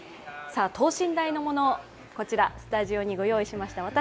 等身大のもの、こちらスタジオにご用意しました。